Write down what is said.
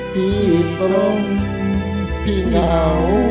พี่ปรงพี่เหงา